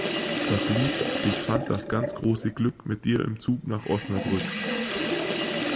Das Lied "Ich fand das ganz große Glück, mit Dir im Zug nach Osnabrück!